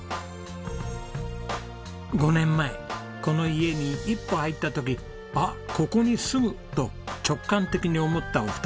５年前この家に一歩入った時「あっここに住む」と直感的に思ったお二人。